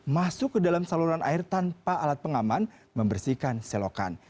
masuk ke dalam saluran air tanpa alat pengaman membersihkan selokan